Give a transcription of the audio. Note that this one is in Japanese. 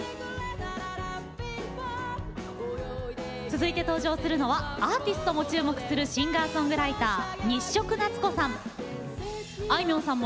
続いて登場するのはアーティストも注目するシンガーソングライター日食なつこさん。